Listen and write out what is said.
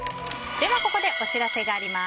ここでお知らせがあります。